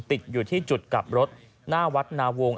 ติดอยู่ที่จุดกลับรถหน้าวัดนาวงศ